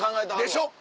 でしょ。